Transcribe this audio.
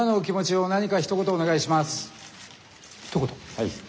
はい。